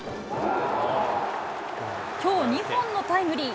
きょう２本のタイムリー。